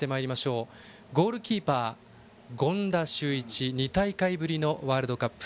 ゴールキーパーは権田修一２大会ぶりのワールドカップ。